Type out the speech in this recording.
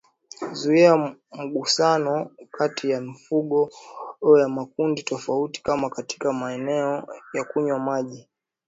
Zuia migusano kati ya mifugo ya makundi tofauti kama katika maeneo ya kunywa maji